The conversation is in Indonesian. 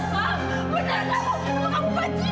benar kamu kamu benci